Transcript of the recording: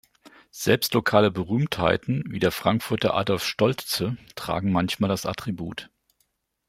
Selbst lokale Berühmtheiten wie der Frankfurter Adolf Stoltze tragen manchmal das Attribut.